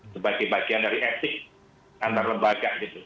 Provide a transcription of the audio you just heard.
sebagai bagian dari etik antar lembaga gitu